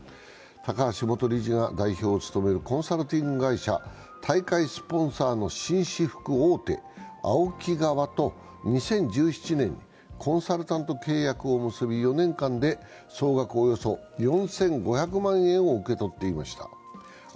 高橋元理事が代表を務めるコンサルティング会社は大会スポンサーの紳士服大手ＡＯＫＩ側と２０１７年にコンサルタント契約を結び、４年間で総額およそ４５００万円を受け取っていました。